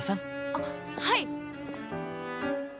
あっはい！